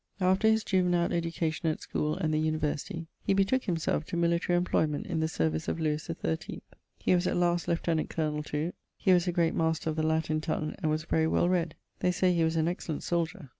After his juvenile education at schoole and the University he betooke himselfe to military employment in the service of Lewis the 13th. He was at last Lieuetenant Colonel to.... He was a great master of the Latin tongue and was very well read. They say he was an excellent soldier.